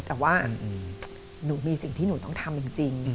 แต่ว่าหนูมีสิ่งที่หนูต้องทำจริง